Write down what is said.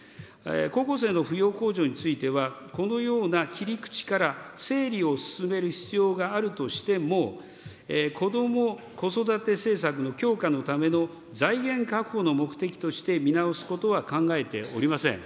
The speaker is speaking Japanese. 高校生の扶養控除については、このような切り口から整理を進める必要があるとしても、こども・子育て政策の強化のための財源確保の目的として見直すことは考えておりません。